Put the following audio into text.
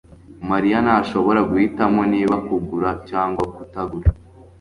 mariya ntashobora guhitamo niba kugura cyangwa kutagura